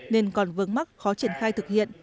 nên còn vương mắc khó triển khai thực hiện